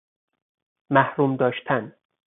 محروم داشتن